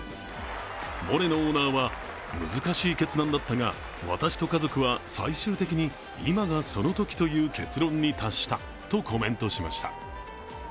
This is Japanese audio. モレノオーナーは難しい決断だったが私と家族は最終的に今がその時という結論に達したとコメントしました。